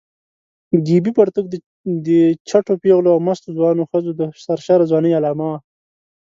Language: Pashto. ګیبي پرتوګ د چټو پېغلو او مستو ځوانو ښځو د سرشاره ځوانۍ علامه وه.